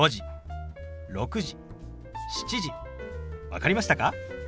分かりましたか？